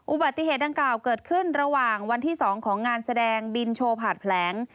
อุบัติเหตุดังกล่าวเกิดขึ้นระหว่างวันที่๒ของงานแสดงบินโชว์ผ่านแผลง